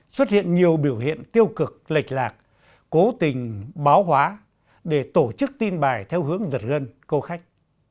xuất hiện nhiều biểu hiện tiêu cực lệch lạc cố tình báo hóa để tổ chức tin bài theo hướng giật gân câu khách